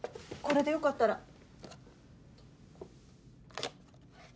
これでよかったら。